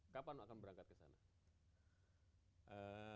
kapan akan berangkat kesana